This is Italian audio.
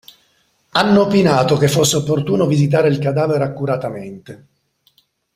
Hanno opinato che fosse opportuno visitare il cadavere accuratamente.